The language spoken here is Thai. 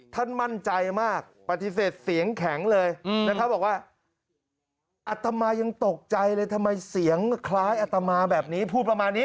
ท่านมั่นใจมากปฏิเสธเสียงแข็งเลยนะครับบอกว่าอัตมายังตกใจเลยทำไมเสียงคล้ายอัตมาแบบนี้พูดประมาณนี้